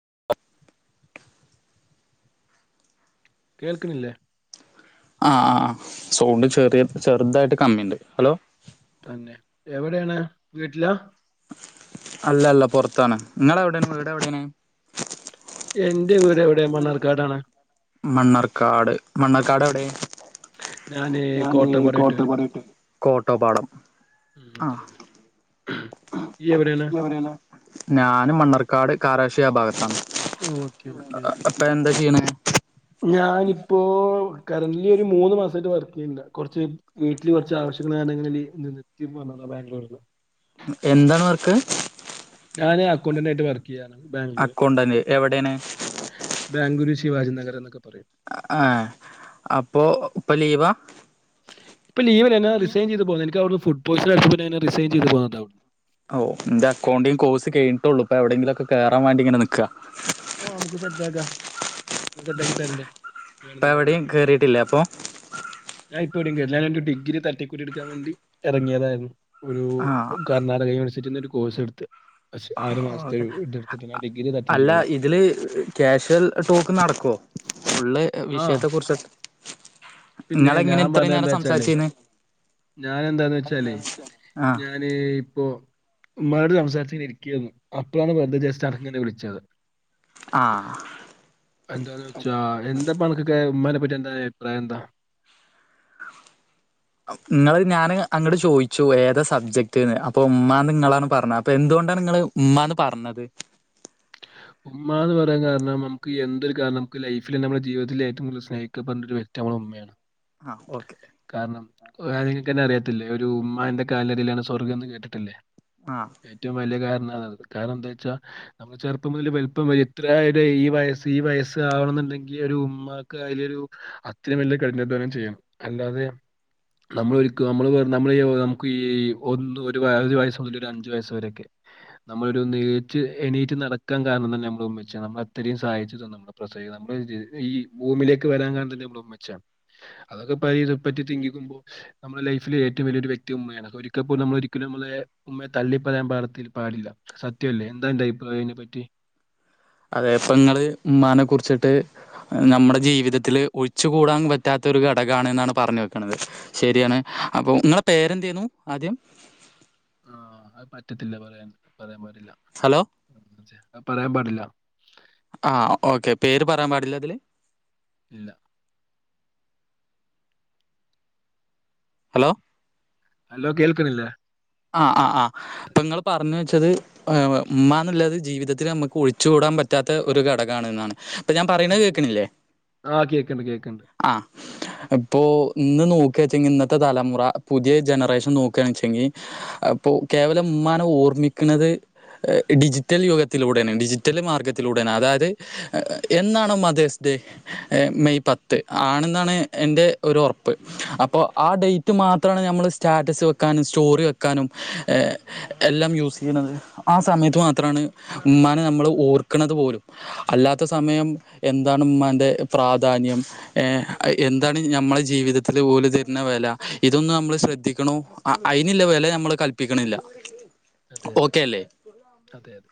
[inaudible] കേൾക്കണില്ലേ ആഹ് ആഹ് സൗണ്ട് ചെറിയ ചെറുതായിട്ട് കമ്മിുണ്ട് ഹലോ തന്നെ എവിടെയാണ് വീട്ടിലാ അല്ല അല്ല പുറത്താണ് നിങ്ങള എവിടൊണ് വിടെ എവിടെയണ എന്റെ വീട് എവിടെ മണ്ണാർക്കാടാണ് മണ്ണർക്കാട് മണ്ണർക്കാട് എവിടെ ഞാന് ഞൻ കോട്ടപ്പാടായിട്ട് കോട്ട വരും പററട്ട് കോട്ടപാടം ആഹ ഇയ്യെവിടെൻ ഞാനും മണ്ണർക്കാട് കാരാശ്യ ഭാഗത്താണ് ഓക്കെ ഓക്കെ ഓക്കെ അപ്പൊ എന്താ ചെയ്യണ ഞാനിപ്പോ കറന്റലി ഒരു മൂന്ന് മാസമായിട്ട് വർക്ക് ചെയ്യുന്നില്ല കുറച്ച് വീട്ടില് കുറച്ച് ആവശ്യ നങ്ങളിൽ നിന്ന നിർത്തിപോന്നതാ ബാംഗ്ലൂരിൽ എന്താണ് വർക്ക് ഞാന് അക്കൗണ്ടന്റ് ആയിട്ട് വർക്ക് ചെയ്യാണ് ബാംഗ്ലൂര് അക്കൗണ്ടന്റ് എവിടെയാണ് ബാംഗ്ലൂ ശാജനഗര എന്നക്കെ ആഹ് അപ്പൊ ഇപ്പൊ ലീവാ ഇപ്പ ലീവല്ലാ റിസൈൻ ചെയ് പോന്ന് എനിക്കവിടുന്ന് ഫുഡ് പോയ്സൻ അടിച്ചപ്പോ റിസൈൻ ചെയ്ത് ഓ എന്റെ അക്കൗണ്ടിങ്ങ് കോഴ്സ് കഴിഞ്ഞിട്ടുള്ളൂ ഇപ്പ എവിടേങ്കിലുമൊക്കെ കേറാൻ വേണ്ടി ഇങ്ങനെ നിക്കാ ആ നമുക്ക് സെറ്റാക്കാ ഇപ്പ എവടേം കേറീട്ടില്ലേ അപ്പൊ ഞാൻ ഇപ്പോ എവടേം കേറീല്ലാ ഞാൻ എന്റെ ഡിഗ്രി തട്ടിക്കൂട്ടി എടുക്കാൻ വേണ്ടി എറങ്ങിയതായിരുന്നു ഒരു ആ കർണ്ണാടക യൂണിവേഴ്സിറ്റി നിന്ന് ഒരു കോഴ്സ് എടുത്ത് ആറു മാസത്തെ ഓക്കെ ഒരു ഇത് എടുത്തിട്ട് ഞാൻ ഡിഗ്രിഅത് അറ്റൻഡറ് അല്ല ചെയ്തു ഇതില് കാഷ്വൽ ടോക്ക് നടക്കുവോ ഫുൾ ആ വിഷയത്തെ കുറിച്ച് പിന്നെ നിങ്ങളെങ്ങനെ ഞാൻ ഇത്രയും പറഞ്ഞത് നേരം എന്താന്ന് വെച്ചാലെ സംസാരിച്ചീന്ന് ഞാനെന്താന്ന് വെച്ചാല് ആഹ് ഞാന് ഇപ്പോ ഉമ്മാട് സംസാരിച്ച് ഇങ്ങനെ ഇരിക്കെര്ന്നു അപ്പളാണ് വെറുതെ ജസ്റ്റ് അനക് ഇങ്ങനെ വിളിച്ചത് വിളിച്ചത് ആഹ് എന്താന്ന് വെച്ചാ എന്താ പണക്കൊക്കെ [unintelligible] അഭിപ്രായെന്താ നിങ്ങള് ഞാൻ അങ്ങട്ട് ചോയിച്ചു ഏതാ സബ്ജക്ട്ന്ന് അപ്പൊ ഉമ്മാന്ന് നിങ്ങളാണ് പറഞ്ഞത് അപ്പൊ എന്തുകൊണ്ടാണ് ഉമ്മാന്ന് പറഞ്ഞത് ഉമ്മാന്ന് പറയാൻ കാരണം നമുക്ക് എന്തൊരു കാരണം നമുക്ക് ലൈഫില് നമ്മുടെ ജീവിതത്തില് ഏറ്റവും കൂടുതല് സ്നേഹിക്കപ്പെടുന്ന ഒരു വൃക്തി ഉമ്മേണ് ആഹ് ഓക്കെ കാരണം [unintelligible] തന്നെ അറിയാ ഒരു ഉമ്മാന്റെ കാലടിയിലാണ് സ്വർഗന്ന് കേട്ടിട്ടില്ലേ ആഹ് ഏറ്റവും വലിയ കാരണം കാരണം എന്താഒയ്ച്ച നമ്മള് ചെറുപ്പം മുതൽ വല്പ്പം വരെ എത്ര ഈ വയസ്സ് ഈ വയസ് [unintelligible] [unintelligible] ഒരു ഉമ്മാക്ക് അതിലൊരു ഒരു അത്രീം വല്യ കഠിനാധ്വാനം ചെയ്യണം അല്ലാതെ നമ്മളൊരിക്കലും നമ്മള് നമ്മള് നമുക്ക് ഈ ഒ ഒരു വയസ് മുതല് ഒരു അഞ്ചു വയസ് വരെയാക്കെ നമ്മള് ഒരു ഒന്നു നീച്ച് എണീറ്റ് നടക്കാൻ കാരണം തന്നെ ഉമ്മച്ചിയാണ് നമ്മളെ ഇത്രീം സഹായിച്ചതും നമ്മളെ പ്രസവി നമ്മ ഈ ഭൂമിയിലേക്ക് വരാൻ കാരണം തന്നെ നമ്മട ഉമ്മച്ചിയാണ് അതൊക്കെ [unintelligible] തിങ്കിക്കുമ്പോ നമ്മളെ ലൈഫില് ഏറ്റവും വലിയൊരു വ്യക്തി ഉമ്മയാണ് ഒരിക്കപ്പോലും നമ്മള് ഒരിക്കലും ഉമ്മയെ തള്ളിപ്പറയാൻ [unintelligible] പാടില്ല സത്യല്ലേ എന്താ അൻ്റെ അഭിപ്രായം അതിനെ പറ്റി അതേ പ്പൊങ്ങൾ ഉമ്മാനെ കുറിച്ചിട്ട് നമ്മുടെ ജീവിതത്തില് ഒഴിച്ചു കൂടാൻ പറ്റ് ത്ത ഒരു ഘടകാണ് എന്നാണ് പറഞ്ഞ് വെക്ക്ണത് ശരിയാണ് അപ്പൊ നിങ്ങളെ പേരെന്തേരുന്നൂ ആദ്യം ആ അത് പറ്റത്തില്ലാ പറയാൻ പറയാൻ പാടില്ലാ ഹലോ പറയാൻ പാടില്ലാ ആ ഓക്കെ പേര് പറയാൻ പാടില്ലാ ഇതിൽ ഇല്ലാ ഹലോ ഹലോ കേൾക്കണില്ലേ ആഹ് ആ ആ ഇപ്പൊ ഇങ്ങള് പറഞ്ഞ് വെച്ചത് ഉമ്മാ നില്ലത് ജീവിതത്തില് നമുക്ക് ഒഴിച്ചു കൂടാൻ പറ്റാ പറ്റാത്ത ഒരു ഘടകാണ് എന്നാണ് ഇപ്പൊ ഞാൻ പറയ്‌ണത് അതെ. കേൾക്ക്ണില്ലേ ആ കേൾക്കുന്നുണ്ട് കേൾക്കുന്നുണ്ട്. ആ ഇപ്പോ ഇന്ന് നോക്കിയാച്ചെങ്കി ഇന്നത്തെ തലമുറ പുതിയ ജനറേഷൻ നോക്കാണച്ചെങ്കി അപ്പൊ കേവലം ഉമ്മാനെ ഓർമ്മിക്ക്ണത് ഡിജിറ്റൽ യുഗത്തിലൂടെയാണ് ഡിജിറ്റൽ മാർഗത്തിലൂടെ അതായത് എന്നാണ് മതേഴ്സ് ഡേ മെയ് പത്ത് ആണെന്നാണ് എന്റെ ഒരു ഉറപ്പ് അപ്പോ ആ ഡേറ്റ് മാ മാത്രമാണ് നമ്മള് സ്റ്റാറ്റസ് വെക്കാന് [unintelligible] വെക്കാനും എല്ലാം യൂസ് ചെയ്യുന്നത് ആ സമയത്ത് മാത്രമാണ് ഉമ്മാനെ നമ്മള് ഓർക്ക്ണത് പോലും അല്ലാത്ത സമയം എന്താണ് ഉമ്മാൻ്റെ പ്രാധാന്യം എന്താണ് ഞമ്മളെ ജീവിതത്തില് ഓല് തരുന്ന വെല ഇതൊന്ന് നമ്മള് ശ്രദ്ധിക്ക്ണു അയിനില്ലേ വെല നമ്മള് കല്പ്പിക്ക്ണില്ലാ അതെ അതെയതെ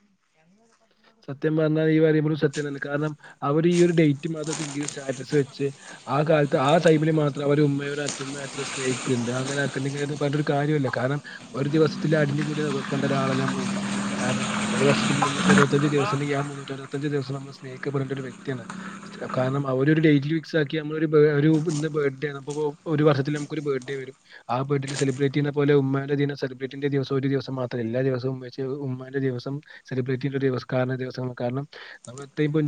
സത്യം പറഞ്ഞാല് ഈ [unintelligible] സത്യം തന്നെ കാരണം അവര് ഈ ഒരു ഡേറ്റ് മാത്രം തിങ്ക് ചെയ്ത് സ്റ്റാറ്റസ് വെച്ച് ആ കാലത്ത് ആ [unintelligible] മാത്രം അവര് ഒരു ഉമ്മയെ അത്തുമ്മയെ അത്ര സ്നേഹിക്ക്ണ്ട് അങ്ങനാക്ക് പറഞ്ഞിട്ട് ഒരു കാര്യല്ല ല്ല കാര്ണം ഒരു ദിവസത്തില് അടിഞ്ഞു കൂടിയ കണ്ട ഒരാളല്ലാ നമളെ ഉമ്മ കാരണം ഒരു വർഷത്തിൽ. മുന്നൂറ്ററുവത്തഞ്ച് ദിവസണ്ടെകി ആ മുന്നൂറ്റ അറുവത്തഞ്ച് ദിവസം നമ്മള് സ്നേഹി ക്കാ പെടേണ്ട ഒരു വ്യക്തിയാണ് കാരണം അവരൊരു ഡേറ്റിൽ ഫിക്സ് ആക്കി നമ്മള് [unintelligible] ഇന്ന് ബർഡേണ് ഒരു വർഷത്തിൽ നമുകൊരു ബത്ത് ഡേ വരും ആ ബഡ്ലെ. സലിബ്രേറ്റ് യുന്ന. പോലെ. ഉമ്മാന്റെ ജീനെ സെലി ബ്രേറ്റിന്റെ. ദിവസം ഒരു ദിവസം മാ എല്ലാ ദിവസവും മച് ഉമ്മാന്റെ ദിവസം സെലിബ്രറ്റിൽ. [unintelligible] ചെയിവ ദിവസ കാരണംത്രേ പൊ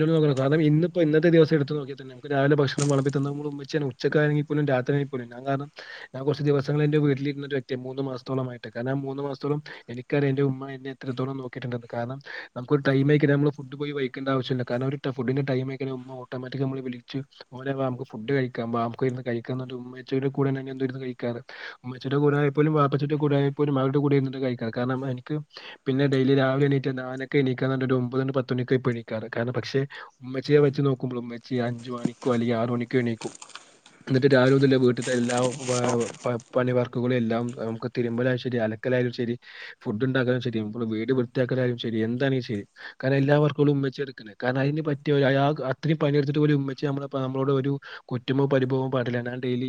ണം ഇന്നപ്പോ ഇത്തെിവസടുത്തു നോകിയതന്നെ. നമുക് രാവിലെ ഭശ്ണം. വളമ്പിതന്നതുടെഉമ്മച്ചിണ്. ഉച്ചക്കയി. ആണെങ്കലും. പോലും. രാത്രി യാണങ്കിലും ഞ കാരണം. ഞൻ കൊറച്. ദിവസങ്ങള് എന്റെ വീട്ടിലിരുന്ന ഒരു വ്യക്തി ആണ് മൂന്ന് മാസത്തോളമായിട്ട്. കാരണം മൂന്ന് മാസ്ത്തോളം എനിക്കറിയാം. എന്റെറെ ഉമ്മ എന്നെ എത്രത്തോളം. നോകീട്ടുണ്ടന്ന് കാരണം. നമ്മക്ക് ഒരു ടൈമംയിക്കയിൽ ഫുഡ് പോയി കൈക്കേണ്ട ആവശ്യല്ല കാരണം ഒരു ട്ടഫു. ഫുഡിന്റെ ടൈംകാരും ഉമ ഓട്ടോമാറ്റിക് നമ്മളെ വിളിച്ച് മോനെ വ നമുക് ഫുഡ് കഴിക്ക വ നമുക് ഇരന്ന് കൈക ഉമ്മേച്ചുടെ കൂടെ ഇനി എന്തും കഴിക്കാറ്. ഉമ്മച്ചീടെ കൂടായാപോലും വാപ്പചിന്റെ കൂടായപോലും. അവരുടെ കൂടെ ഇര്ന്നിട്ടാ കഴിക്കൽ കാരണം. മ്മ. എനിക്ക്. ഹ്. പിന്നെ ഡെയിലി രാവിലെ എണീറ്റ നാനോകെ എണീക ഒരു. ഒമ്പത്. പത്ത്ണീക്കെ പ്പൊ. എണീകാർ. കാരണം പ്പ ക്ഷേ ഉമ്മച്ചിയെ വെച്ച് നോക്കുമ്പോഴും. ഉമ്മച്ചി അഞ്ച്. മണിക്കോ. അല്ലെങ്കി. ആറു. മണിക്കോ. എണീക്കും എന്നിട്ട് രാവിലെഉതല് വീട്ടിത്തെ എല്ലാ വ. ഹ. പ്പാ പണി വർക്കുകയെളെല്ലാം. മുക്ക് തിരുമ്പലാണെങ്കിലുശരി. അല ക്കലായാലും. ശരി ഫുഡ്ണ്ടാക്കൽ ശരിവീട് വൃത്തിയാക്കലായാലും. ശരി എന്താണേ ശരി കാരണം എല്ലാവർക്ക് കളും ഉമ്മച്ചിയാണ് എടുക്ണ് കാരണം അയിന്. പറ്റിയ ഒരു ആയ അയാക്. അത്രി പണിയെടുത്തിട്ട് പോലും ഉമ്മച്ച് നമ്മളെ നമ്മളോട് ഒരു കുറ്റമോ പരിഭവോ പറഞ്ഞിട്ടില്ല അനാ ഡെയിലി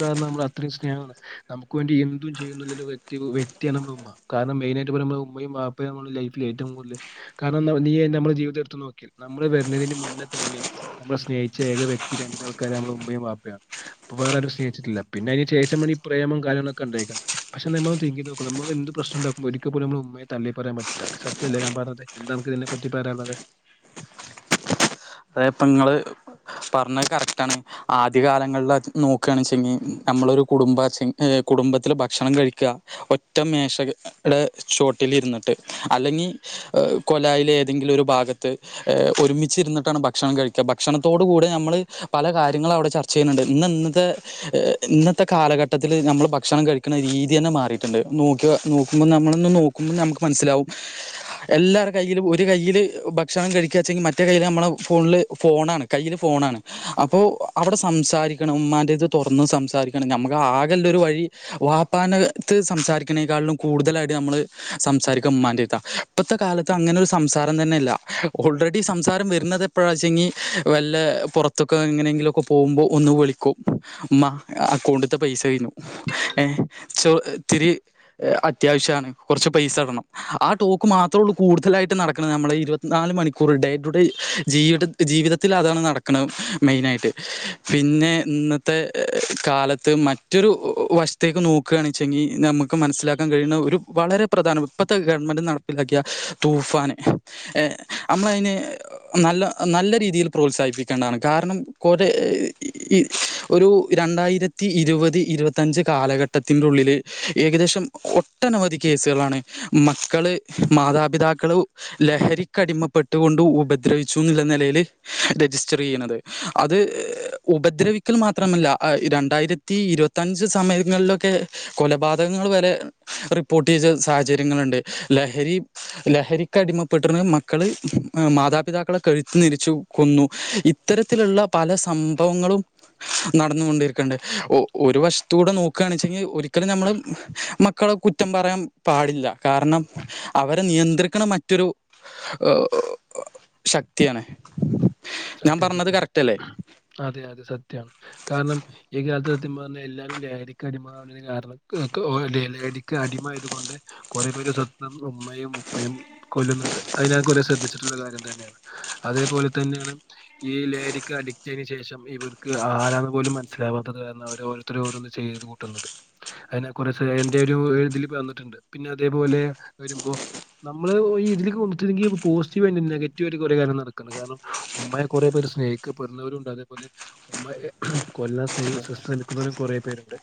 കാരണോ മ്മളെ അത്രേ സ്നേഹണ് ഹ് നമക്ക് വേണ്ടി എന്തും ചെയ്യുന്നുന്ന വെക്തിയാ വെക്തിയാണ് നമ്മടെ ഉമ്മ. കാരണം. മെയിനായിട്ട് നമ്മള്. ഉമ്മയും. വാപ്പയുംനമ്മുടെ. ലൈഫിൽ ഏറ്റവും കൂടുതൽ കാരണംനീ നമ്മുടെ ജീവിതം എടുത്ത് നോക്കിയോ നമ്മൾ വരുന്നതിന് മുന്നെ തന്നെ നമ്മളെ സ്നേഹിച്ച ഏക വ്യക്തി രണ്ടാൾക്കാരർ നമ്മളെ ഉമ്മയും വാപ്പയാണ് അപ്പോ വേറാരു സ്നേ ല്ല പിന്നെ അയിന് ശേഷമാണി ഈ പ്രേമ കയങ്ങളൊക്കെ ഉണ്ടായിക്ണത് പഷേ നമ്മളോന്ന് തിങ്കെത്. നോകൊണ്ട് നമ്മ എന്ത് പ്രശ്നണ്ടാകുബോ ഒരിക്കൽ പോലും. നമ്മളെ ഉമ്മയെ തള്ളി പറയാൻ പറ്റില്ല സത്യല്ലേ ഞാൻ പറഞ്ഞത്. എന്താ അനക് ഇതിനെ പറ്റി പറയാൻ ഉള്ളത് അതെപ്പ ങ്ങള്പറഞ്ഞത് കറക്റ്റാണ് ആദ്യ കാലങ്ങളിൽ നോക്കണച്ചെങ്ങി നമ്മളൊരു കുടുംബചെ. ഹ് കുടുംബത്തിൽ ഭക്ഷണം കഴിക്ക ഒറ്റ മേശക്ക്ചോട്ടിൽ ലിരിന്നിട്ട് അല്ലെങ്ങി കൊലായില് ഏതെങ്കിലും ഒരു ഭാഗത്ത്ഹേ ഒരുമിച്ചിരുന്നി ട്ടാണ്. ഭക്ഷണം കഴിക്ക ഭക്ഷണത്തോട് കൂടെ നമ്മൾ പല കാര്യങ്ങളൾ അവിടെ ചർച്ച ചെയ്യുനുണ്ട്. ഇന്ന് ഇന്നത്തെ ഹ് ഇന്നത്തെ കാലഘട്ടത്തില്. നമ്മൾ ഭക്ഷണം കഴിക്ണ രീതിയന്നെ മാറിട്ടുണ്ട് നോക്കിയ നോക്കുമ്പോൾ നമ്മളൊന്ന് നോകു നുക്ക് മനസ്സിലാവും ഹ്എല്ലാരെ കയ്യിലും ഒരു കയ്യില് ഭക്ഷണ കഴികച്ചെങ്കിൽ മറ്റേ കയ്യിൽ നമ്മളെഒ ഫോണ്ൽ ഫോണാണ. കയ്യിൽ ഫോണാണ്അപ്പോൾ അവിടെ സംസാരിക്കണം. ഉമ്മാന്റെത് തൊറന്ന് സംസാരി രികണം നമ്മക്ക് ആകല്ലോരു വഴി വാപ്പാനത്ത് സംസാരിക്കതിനേക്കാളിലും കൂടുതലായിട്ട് നമ്മള് ഹ് സംസാരിക്ക ഉമ്മാന്റെട്ത. ഇപ്പത്തെ കാലത്ത് അങ്ങനെ ഒരു സംസാരം തന്നെല്ല ഓൾറെഡി സംസാരം വരുന്നത് എപ്പഴാച്ചങ്കി. വല്ല പുറത്തൊക്കെ എങ്ങനെങ്കിലുക്കെ. പോവൂമ്പോ ഒന്ന് വിളിക്കും അക്കൗണ്ട്ത്തെ പൈസ ക ഴിഞ്ഞു ഹ്. ഹേ. ഇത്തിരി അത്യാവശ്യണ് കൊർച്ച് പൈസ സ്സ. ടോക്ക് മാത്ര ഉള്ളൂ കൂടുതലായിട്ടു. നടക്ണത്.. നമ്മളെ ഇരുപത്തിനാല്. മണിക്കൂറി. ഡേറ്റു ഡേ ജീവിത ജീവിതത്തിൽ അതാണ് നടക്കണ്. മെയിൻആായിട്ട് പിന്നെ ഇന്നത്തെ കാലത്ത് മറ്റൊരു ഒ വശ്ത്തേക്ക്. നോകണ്ച്ചെങ്കി. നമുക്ക് മഠ കാരണം. ഇപ്പഴത്തെ ഗവൺമെന്റ് നടപ്പിലാക്കിയ. ഹ്. തൂഫാൻ. നമ്മൾ യന് നല്ല നല്ല രീതിയിൽ പ്രോത്സാഹിപ്പിക്കേണ്ടണ്. കാരണം കൊറെ രു രണ്ടായിരത്തി ഇരുവത്. ഇരുവത്തിഞ്ച്. കാലഘട്ടത്തിന്റെ ഉള്ളിൽഏകദേശം ഒട്ടനവധി കേസ് കളാണ്. മക്കള്. മാമാതാൾ ഉപദ്രവിച്ചുന്നുള്ള. നലേൽഹ്. രജിസ്റ്റർ ച്ചെ യ്യണത്. അത്ഹ് ഉപദ്രവിക്കൽ മാത്രമല്ല ആ. രണ്ടായിരത്തി ഇരുവത്തഞ്ച് സമയങ്ങൾലൊക്കെ. കൊലപാതകങ്ങൾ വരെ റിപ്പോർട്ട് ചെയ് സാഹചര്യങ മാതാപ്പിതാക്കളെ കഴുത്തു. ഞരിച്ചു കൊന്നു ഇത്തരത്തിലുള്ള പല സംഭവങ്ങളും. നടന്നു കണ്ടരിക്കണ്ട. ഒരു വശ്ത്തൂടെ. നോകാണ് ചെ വെച്ചെങ്കി. ഒരിക്കലും നമ്മള്. മക്കളെ കുറ്റം പറയാം പാടില്ല. കാരണം അവരെ നിയന്ത്രിക്കണ. മറ്റൊരു. ഹ് ഒ ശക്തിയാണ് സത്യം. പറഞ്ഞത് സത്യം. കറക്റ്റ് സത്യം. അല്ലേ അതെ. അതെ. സത്യാണ് കാരണം. ഇങ്ങൻതെ സത്യംപറഞ്ഞ എല്ലാരും ലഹരിക്ക് അടിമ തി കാരണം ലഹരിക്ക് അടിമമായത്കൊണ്ട് കുറെേ പേര് സ്വം ന്തം ഉമ്മയും ഉപ്പയും കൊല്ലുന്നുണ്ട് അതിനക ശ്രദ്ധിച്ച് ശ്രദ്ധിച്ചിട്ടുള്ളകാര്യം തന്നെയാണ് അതേപോലെ തന്നെയാണ് ഈ ലേഹരിക്ക് അഡിറ്റ് ആയതിന് ശേഷം ഇവർക്ക് ആരാണ പോലും മനസ്സിലാവാത്തത് കാരണം അവർഒ രോർത്ത ര് ചെയ്ത് കൂട്ടുന്നത് അതിനെ കുറച്ച് എറെ ഒരു ഇതിൽ വന്നിട്ടുണ്ട് പിന്നെ അതേപോലെ ഒരു അപ്പൊ നമ്മള് ഈ ഇതിലേക്ക് വ ന്നിട്ടുെങ്കി പോസിറ്റീവ് ആയി് നെഗറ്റീവയിട്ട് കുറെേ കാര്യം നടക്കണ്ട് കാരണം ഉമ്മയെ കുറെേ പേര് സ്നേഹിക്കപ്പെടുന്നവരുംണ്ട് അതേപോലെ ഉമ്മയെ കൊല്ല സ് ശ്രമിക്കുന്നവരും കൊറ പേണ്ട്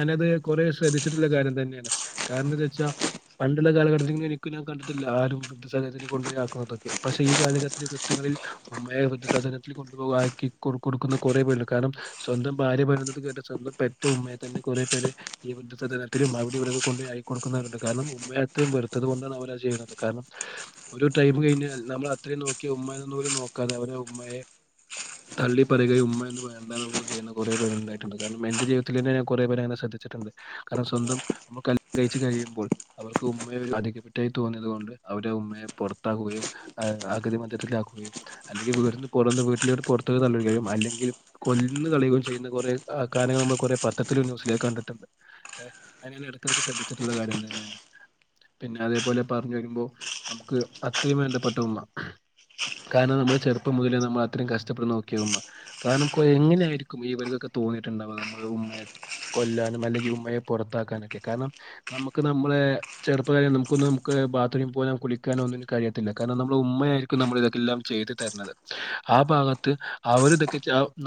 ഞാനത് കുറ ശ്രദ്ധിച്ചിട്ടുള്ള കാര്യം തന്നെയാണ് കാരണം എന്ത വച്ചാൽ പണ്ട് പണ്ട് കാലഘട്ടത്തിൽ എനിക്ക ഞാൻ കണ്ടിട്ടില്ല വൃദ്ധസദനത്തിൽകൊണ്ടപോക്കുന്നതക്കെ പക്ഷെ ഈ കാലഘട്ടത്തിലൽ കൃത്ങ്ങളിൽ ഉമ്മയെധ സാധനത്തിൽ കൊണ്ടുപകാക്കി കൊടുക്കുന്ന കുറേ പേല കാരണം സ്വന്തം ഭാര്യ വരുന്നത് കേ സ്വന്തം പെറ്റ ഉമ്മയെ തന്നെ കുറെേ പേര് ഈ വൃദ്ധസദനലത്തിലും അവിടെ ഇവിടെ കൊണ്ട ആയിക്ക കൊടുക്കുന്നവരുണ്ട് കാരണം ഉമ്മയെ അത്രയും വെറുത്തു കൊണ്ടാണ് അവരാണ് ചെയ്യുന്നത് കാരണം ഒരു ടൈം കഴിഞൽ നമ്മള അത്ര യും നോക്കിയ ഉമ്മ നോക്കാതെ അവരെ ഉമ്മയെ തള്ളി പറയുകയും ഉമ്മ എന്ന് വേണ്ടാവുകയും ചെയ്യുന്ന കുറെ പേരു ഉണ്ടായിട്ടുണ്ട് കാരണം എന്റെ ജീവിതത്തിൽ കുറെേ പേര് അങ്ങനെ [unintelligible] ശ്രദ്ധിച്ചിട്ടുണ്ട് കാരണം സ്വന്തം നമ്മൾ കല്യാണം കഴിച്ചു കഴിയുമ്പോൾ അവർക്ക് ഉമ്മ അധികപ്പെട്ടായി തോന്നിയത് കൊണ്ട് അവടെ ഉമ്മയെ പുറത്താക്കുകയും അഗതി മന്ദത്തിലാക്കുക അല്ലെങ്കിൽ വീട്ടന്ന് പുറന്ന് വീട്ടില പുറത്ത തള്ളിക്കയും അല്ലെങ്കിൽ കൊല്ലന്ന് കളയുകയും ചെയ്യുന്ന കുറെ കാര്യങ്ങൾ നമ്മൾ കുറെേ പത്രത്തിലും ന്യസിലേക്ക് കണ്ടിട്ടുണ്ട് അങ്ങനെ അടുത്തക്ക് ശ്രദ്ധിച്ചിട്ടുള്ള കാര്യം തന്നെയാണ് പിന്നെ അതേപോലെ പറഞ്ഞു വരുമ്പോ നമുക്ക് അത്രയും വേണ്ടപ്പെട്ട ഉമ്മ കാരണം നമ്മള് ചെറുപ്പം മുതലേ നമ്മൾ അത്രയും കഷ്ടപ്പെട്ടു നോക്കിയാവമ്മ കാരണം എങ്ങനെയായിരിക്കും ഈവരകൊക്കെ തോന്നി ണ്ടവ നമ്മുക്ക് ഉമ്മയെ കൊല്ലാനും അല്ലെങ്കിൽ ഉമ്മയെ പുറത്താക്കാനൊക്കെ കാരണം നമുക്ക് നമ്മളെ ചെറുപ്പ ത നമുക്കൊന്ന് നമുക്ക് ബാത്റൂം പോക കുളിക്കാനൊന്നും കാര്യത്തില്ല കാരണംമ്മ ഉമ്മയായിരിക്കും നമ്മ എല്ലാം ചെയ്തു തരുന്നത് ആ ഭാഗത്ത് അവർ ഇതൊക്കെ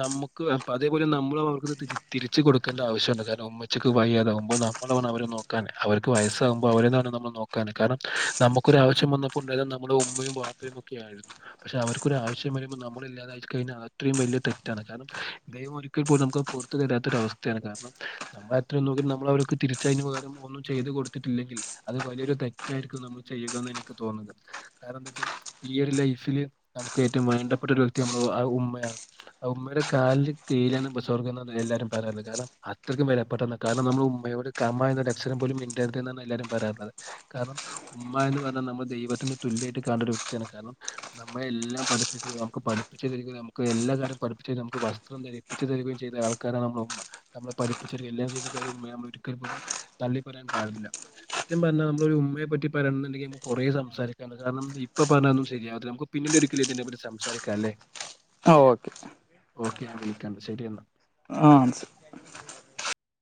നമുക്ക് അതേപോലെ നമ്മൾ അവർക്ക് തിരിച്ച കൊടുക്കേണ്ട ആവശ്യുണ്ട് കാരണം ഉമ്മച്ചക്ക് വയ്യാതകുമോ നമ്മള വ അവരെ നോക്കാൻ അവർക്ക് വയസ്സ് ുമ്പോ അവാണ് നമ്മൾ നോക്കാൻ കാരണം നമുക്കൊരവശ്യം വന്നപ്പോ ഉണ്ടായത് നമ്മുടെ ഉമ്മയും പാപ്പയും ഒക്കെയ ആയിരുന്നു പക്ഷെ അവർക്കൊ ആവശ്യം വരുമ്പോ നമ്മള ഇല്ലാതൊയിച്ചച്ച് കഴിഞ്ഞാൽ അത്രയും വലിയ തെറ്റാണ് കാരണം ദൈവ ഒരിക്കൽ പോലും നമുക്ക് പുറത്തു കരുതാത്തൊര അവസ്ഥയാണ് കാരണം നമ്മളത്രും നമ്മൾ അവർക്ക് തിരിച്ചതിു പകരം ഒന്നും ചെയ്ത് കൊടുത്തിട്ടില്ല അത് വലിയൊരു തെറ്റായിരിക്കും നമ്മൾ ചെയ്യുകന്ന് എനിക്ക് തോന്നുന്നത് കാരണം എന്താ വെച്ചാൽ ഈ ഒരു ലൈഫ് നമുക്ക് ഏറ്റവും വേണ്ടപ്പെട്ട ഒരു വ്യക്തിമ്മ ഉമ്മയാണ് ആ ഉമ്മയുടെ കാലിൽ കിയിലാണ് സ്വർഗം എല്ലാരും പറയാന കാരണം അത്രയും വിലപ്പെട്ടെന്ന് കാരണം നമ്മൾ ഉമ്മയോട് കമ എന്നാ അക്ഷരം പോലും മിണ്ടരുത് എന്നാണ് എല്ലാവരും പറയറുള്ളത് കാരണം ഉമമ്മ എന്ന് പറഞ്ഞാൽ നമ്മൾ ദൈവത്തിന്റെ തുല്യമായിട്ട് കാണണ്ട ഒരു വ്യക്തിയാണ് കാരണം നമ്മളെല്ലാം പഠിപ്പിച്ച നമുക്ക് പഠിപ്പിച്ചരിക്ക നമുക്ക് എല്ലാ കാര്യം പഠിപ്പിച്ച തേരും വസ്ത്രം ധരിപ്പിച്ച തേരും യും ചെയ്ത ആൾക്കാരാണ് നമ്മമ്മളെ പഠപ്പിച്ച എല്ലാം ചെയ്താര്മ്മ നമ്മ ഒരിക്കൽ പോലും തള്ളി പറയാൻ പാടില്ല സത്യ പറഞ്ഞാ നമ്മ ഒരു ഉമ്മയെ പറ്റി പറയണ്ടെങ്കിൽ ന കൊറേ സംസാരിക്കാണ് കാരണം ഇപ്പൊ പറഞ്ഞ ശരിയാ നമക്ക് പിന്നന്റെ ഒരിക്കലും ഇതിനന്റെെ സംസരിക്കല്ലെ ആ ഓക്കെ ഓക്കെ ഞാൻ വിളിക്കണ്ട് ശരി എന്നാ ആ ശ